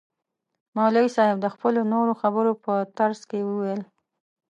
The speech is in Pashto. مولوی صاحب د خپلو نورو خبرو په ترڅ کي وویل.